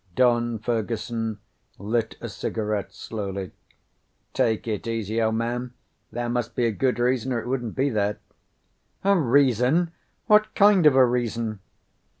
Don Fergusson lit a cigarette slowly. "Take it easy, old man. There must be a good reason, or it wouldn't be there." "A reason! What kind of a reason?"